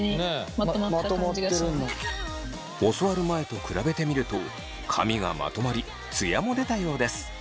教わる前と比べてみると髪がまとまりツヤも出たようです。